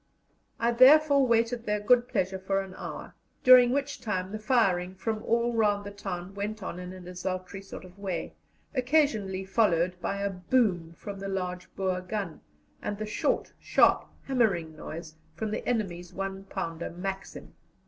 I therefore waited their good pleasure for an hour, during which time the firing from all round the town went on in a desultory sort of way, occasionally followed by a boom from a large Boer gun, and the short, sharp, hammering noise from the enemy's one pounder Maxim.